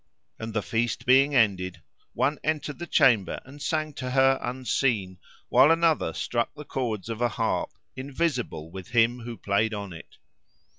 And the feast being ended, one entered the chamber and sang to her unseen, while another struck the chords of a harp, invisible with him who played on it.